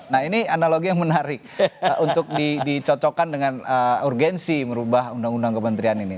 nah ini analogi yang menarik untuk dicocokkan dengan urgensi merubah undang undang kementerian ini